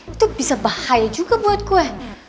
itu bisa bahaya juga buat kue